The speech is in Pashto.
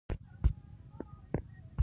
زه باید ژر ډاکټر ته ولاړ شم